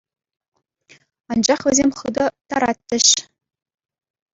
Анчах вӗсем хытӑ таратчӗҫ.